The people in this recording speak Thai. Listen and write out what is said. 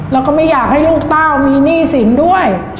แล้วก็ไม่อยากให้ลูกเต้ามีหนี้สินด้วย